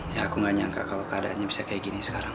ya aku gak nyangka kalau keadaan nya bisa seperti ini sekarang